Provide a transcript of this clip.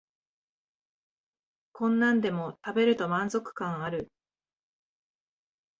こんなんでも食べると満足感ある